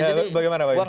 bagaimana pak yunus